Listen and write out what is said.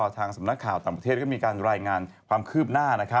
ทางสำนักข่าวต่างประเทศก็มีการรายงานความคืบหน้า